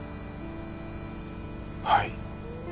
はい？